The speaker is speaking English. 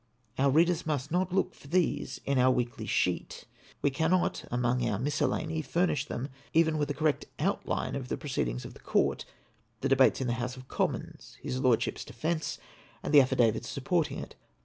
Our readers must not look for these in our weekly sheet ; we cannot among our miscellany furnish them even with a correct outline of the proceedings of the Court, the debates in the House of Commons, his Lordship's defence, and the affidavits supporting it.